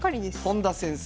本田先生。